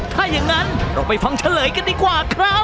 ถ้าอย่างนั้นเราไปฟังเฉลยกันดีกว่าครับ